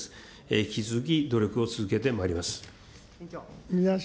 引き続き努力を続けてまいります。